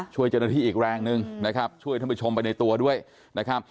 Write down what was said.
ช่วยเจ้าหน้าที่อีกแรงหนึ่งนะครับช่วยท่านผู้ชมไปในตัวด้วยนะครับ